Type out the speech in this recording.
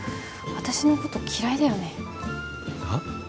私のこと嫌いだよねはっ？